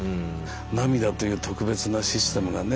涙という特別なシステムがね